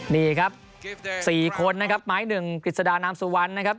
นี่ครับสี่คูณนะครับไม้๑กฤษฎานำสู่วันนะครับ